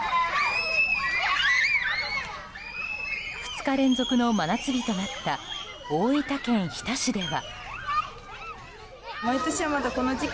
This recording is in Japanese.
２日連続の真夏日となった大分県日田市では。